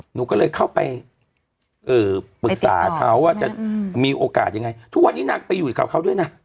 หนูก็เลยเข้าไปปรึกษาเขาว่าจะมีโอกาสยังไงทุกวันนี้นางไปอยู่กับเขาด้วยนะ